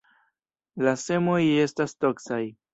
La semoj estas toksaj.